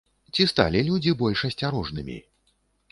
Ці сталі людзі больш асцярожнымі?